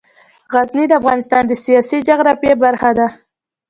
غزني د افغانستان د سیاسي جغرافیه برخه ده.